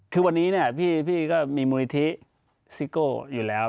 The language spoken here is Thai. คือวันนี้พี่ก็มีมูลิธิซิโก้อยู่แล้ว